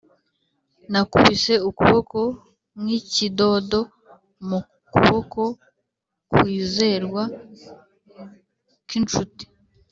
nakubise ukuboko nk'ikidodo mu kuboko kwizerwa k'inshuti.